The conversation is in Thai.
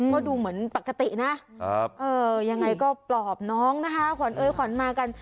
ก็ดูเหมือนปกตินะยังไงก็ปลอบน้องนะคะขวัญเอ้ยขวัญมากัน